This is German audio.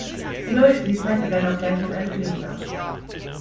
Die neue Spielzeit begann auch gleich mit einem Fehlstart.